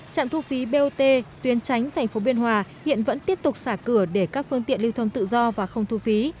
trạm thu phí bot tuyến tránh thành phố biên hòa hiện vẫn tiếp tục xả cửa để các phương tiện lưu thông tự do và không thu phí